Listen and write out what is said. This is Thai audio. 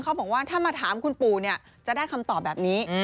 เขาบอกว่าถ้ามาถามคุณปู่จะได้คำตอบแบบนี้